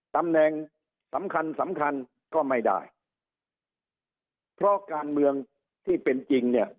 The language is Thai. ตำแหน่งสำคัญสำคัญก็ไม่ได้เพราะการเมืองที่เป็นจริงเนี่ย